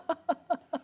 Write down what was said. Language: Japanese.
ハハハハ。